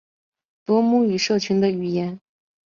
罗姆语社群的语言。